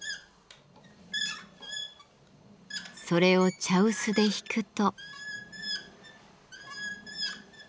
それを茶臼でひくと。